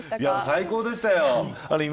最高でしたよ。